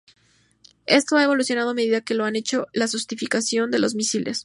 Estas han evolucionado a medida que lo ha hecho la sofisticación de los misiles.